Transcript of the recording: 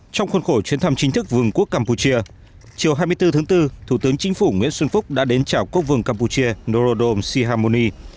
trong khuôn khổ chuyến thăm chính thức vương quốc campuchia chiều hai mươi bốn tháng bốn thủ tướng chính phủ nguyễn xuân phúc đã đến chào quốc vương campuchia norodom sihamoni